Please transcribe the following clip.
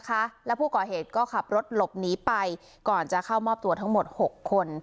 นะคะแล้วผู้ก่อเหตุก็ขับรถหลบหนีไปก่อนจะเข้ามอบตัวทั้งหมดหกคน